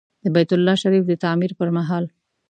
د بیت الله شریف د تعمیر پر مهال.